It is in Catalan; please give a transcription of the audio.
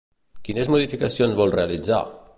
Quines modificacions vol realitzar?